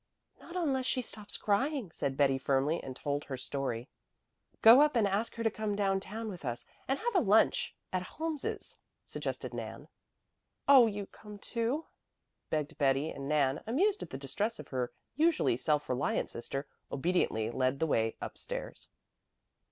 "Not unless she stops crying," said Betty firmly, and told her story. "Go up and ask her to come down town with us and have a lunch at Holmes's," suggested Nan. "Oh you come too," begged Betty, and Nan, amused at the distress of her usually self reliant sister, obediently led the way up stairs.